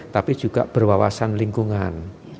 tapi juga berwawasan lingkungan